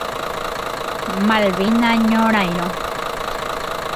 Malvina Ñorairõ.